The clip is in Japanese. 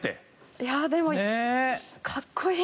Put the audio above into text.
いやでも。